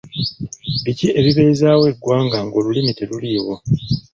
Biki ebibeezaawo eggwanga ng’olulimi teruliiwo